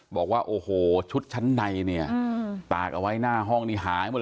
บอกว่าโอ้โหชุดชั้นในเนี่ยตากเอาไว้หน้าห้องนี่หายหมดเลย